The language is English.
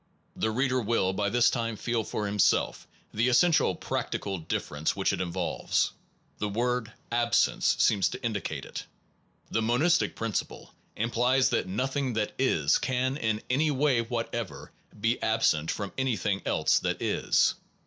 The reader will by this time feel for himself the essential practical difference which it involves. The word absence seems to in dicate it. The monistic principle implies that nothing that is can in any way whatever be absent from anything else that is.